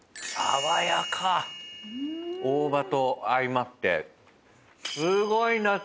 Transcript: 大葉と相まって。